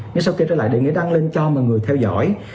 nghĩa sao kê trở lại để nghĩa đăng lên cho mọi người theo dõi